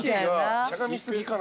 しゃがみ過ぎかな。